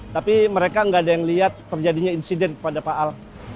tapi mereka nggak ada yang lihat terjadinya insiden kepada pak al